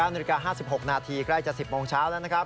นาฬิกา๕๖นาทีใกล้จะ๑๐โมงเช้าแล้วนะครับ